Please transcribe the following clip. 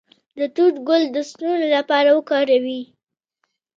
د توت ګل د ستوني لپاره وکاروئ